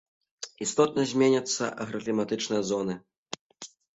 Істотна зменяцца агракліматычныя зоны.